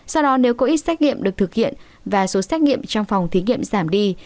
sau đó nếu có ít xét nghiệm được thực hiện và số xét nghiệm trong phòng thí nghiệm giảm đi